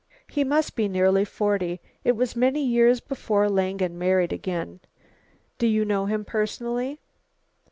"He must be nearly forty. It was many years before Langen married again." "Do you know him personally?"